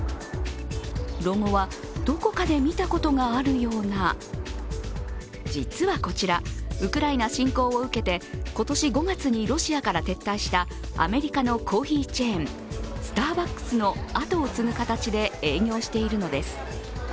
ロゴはどこかで見たことがあるような実はこちら、ウクライナ侵攻を受けて今年５月にロシアから撤退したアメリカのコーヒーチェーン、スターバックスのあとを継ぐ形で営業しているのです。